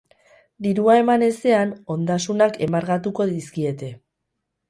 Dirua eman ezean, ondasunak enbargatuko dizkiete.